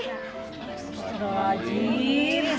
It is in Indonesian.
ya terima kasih